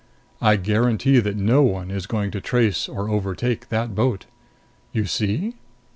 I guarantee that no one is going to trace or overtake that boat. You see?"